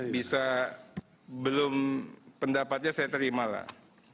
bisa belum pendapatnya saya terima lah